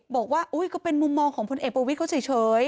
บอกว่าก็เป็นมุมมองของพลเอกประวิทย์เขาเฉย